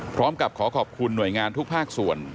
พร้อมกับขอขอบคุณหน่วยงานทุกภาคส่วน